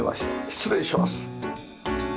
失礼します。